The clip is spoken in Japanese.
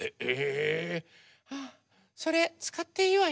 それつかっていいわよ。